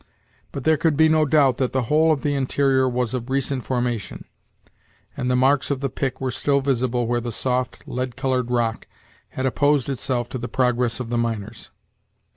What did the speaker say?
But there could be no doubt that the whole of the interior was of recent formation, and the marks of the pick were still visible where the soft, lead colored rock had opposed itself to the progress of the miners.